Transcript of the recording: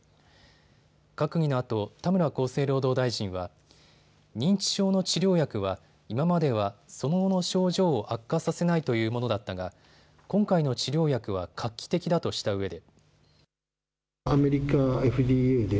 閣議のあと田村厚生労働大臣は認知症の治療薬は、今まではその後の症状を悪化させないというものだったが今回の治療薬は画期的だとしたうえで。